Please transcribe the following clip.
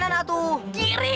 ih orang jalur kiri